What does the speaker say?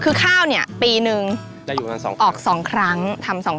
คือข้าวเนี่ยปีหนึ่ง